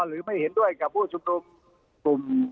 หรือไม่เห็นด้วยกับผู้ชุมนุมกลุ่ม